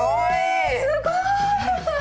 すごい。